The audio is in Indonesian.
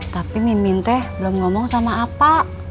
tapi mimin teh belum ngomong sama apa